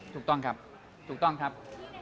ถูกต้องครับถูกต้องครับ